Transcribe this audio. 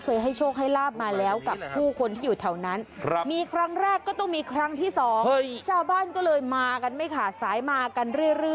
เคยให้โชคให้ลาบมาแล้วกับผู้คนที่อยู่แถวนั้น